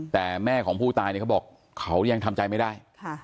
แต่แม่ของผู้ตายเนี่ยเขาบอกเขายังทำใจไม่ได้